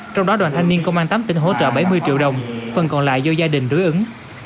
trong đó đoàn thanh niên công an tám tỉnh hỗ trợ bảy mươi triệu đồng phần còn lại do gia đình đối ứng